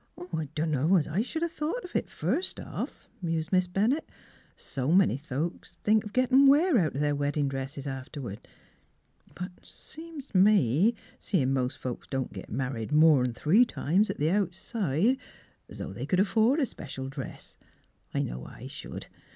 " I dunno's I should have thought of it, first off," mused Miss Bennett. " So many folks think of gettin' wear out of their weddin' dresses afterward. But seems t' me seein' mos' folks don't get mar ried more'n three times at the outside, 's though they c'd afford a special dress. I know I should.